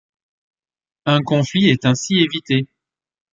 Un conflit est ainsi évité.